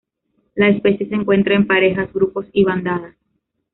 La especie se encuentra en parejas, grupos y bandadas.